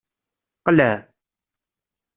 Qleɛ.